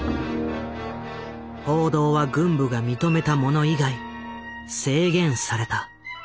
報道は軍部が認めたもの以外制限された。